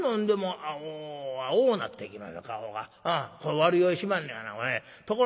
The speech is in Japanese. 悪酔いしまんのやなこれ。